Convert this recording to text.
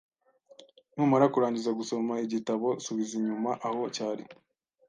Numara kurangiza gusoma igitabo, subiza inyuma aho cyari .